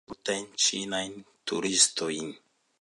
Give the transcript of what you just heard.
Ĉiujare ĝi akceptas multajn ĉinajn turistojn.